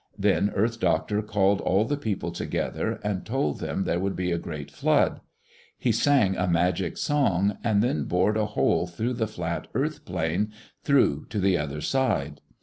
Then Earth Doctor called all the people together, and told them there would be a great flood. He sang a magic song and then bored a hole through the flat earth plain through to the other side.